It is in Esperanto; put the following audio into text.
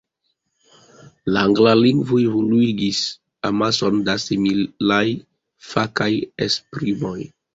La angla lingvo evoluigis amason da similaj fakaj esprimoj.